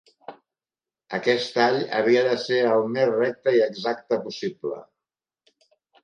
Aquest tall havia de ser al més recte i exacte possible.